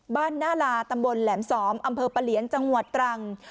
บ้านหน้าลาตำบลแหลมสอมอำเภอปะเหลียนจังหวัดตรัง